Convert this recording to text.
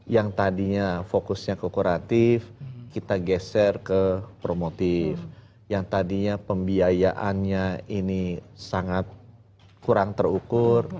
yang tadinya pembiayaannya ini sangat kurang terukur